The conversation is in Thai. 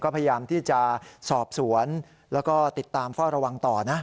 พยายามที่จะสอบสวนแล้วก็ติดตามเฝ้าระวังต่อนะ